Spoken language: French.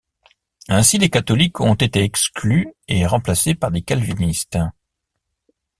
Ainsi, les catholiques ont été exclus et remplacés par des calvinistes.